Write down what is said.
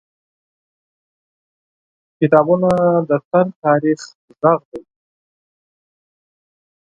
• کتابونه د تیر تاریخ غږ دی.